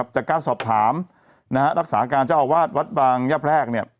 จากการสอบถามรักษาการเจ้าอาวาสวัดบางยะแพรก